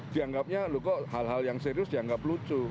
dianggapnya loh kok hal hal yang serius dianggap lucu